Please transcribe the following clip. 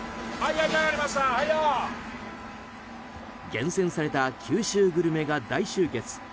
厳選された九州グルメが大集結。